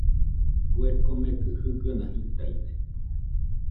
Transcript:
Kue komekɨ jɨgɨna jitaide.